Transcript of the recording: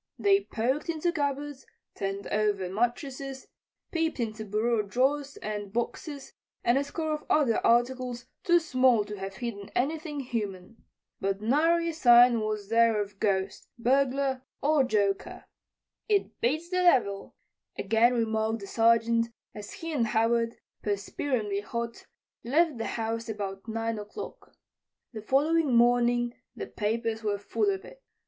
They poked into cupboards, turned over mattresses, peeped into bureau drawers and boxes and a score of other articles too small to have hidden anything human. But nary a sign was there of ghost, burglar or joker. "It beats the devil," again remarked the Sergeant as he and Howard, perspiringly hot, left the house about 9 o'clock. The following morning the papers were full of it.